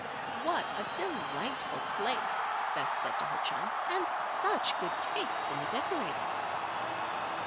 "What a delightful place," Bess said to her chum. "And such good taste in the decorating."